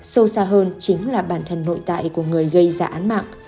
sâu xa hơn chính là bản thân nội tại của người gây ra án mạng